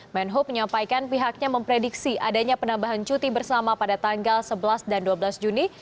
menhub menyampaikan pihaknya memprediksi adanya penambahan cuti bersama pada tanggal sebelas dan dua belas juni